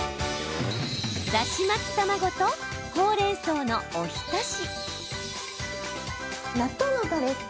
だし巻き卵とほうれんそうのお浸し。